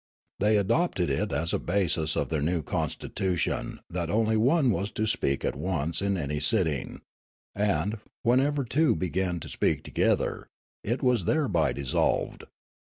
They adopted it as a basis of their new constitu tion that only one was to speak at once in any sitting, and, whenever two began to speak together, it was thereby dissolved.